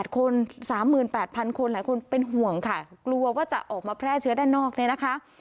คน๓๘๐๐คนหลายคนเป็นห่วงค่ะกลัวว่าจะออกมาแพร่เชื้อด้านนอกเนี่ยนะคะ